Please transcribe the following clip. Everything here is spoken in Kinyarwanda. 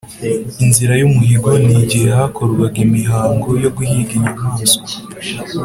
inzira y’umuhigo: ni igihe hakorwaga imihango yo guhiga inyamaswa.